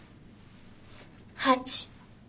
８。